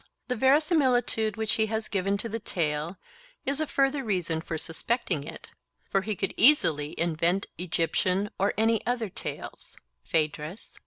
The verisimilitude which he has given to the tale is a further reason for suspecting it; for he could easily 'invent Egyptian or any other tales' (Phaedrus).